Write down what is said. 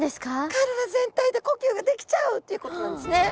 体全体で呼吸ができちゃうということなんですね。